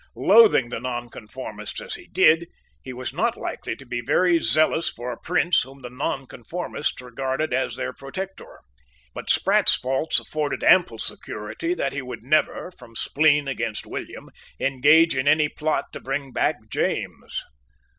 Loathing the nonconformists as he did, he was not likely to be very zealous for a prince whom the nonconformists regarded as their protector. But Sprat's faults afforded ample security that he would never, from spleen against William, engage in any plot to bring back James.